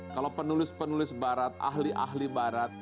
kalau penulis penulis barat ahli ahli barat